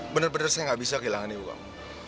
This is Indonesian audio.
bener bener saya gak bisa kehilangan ibu kamu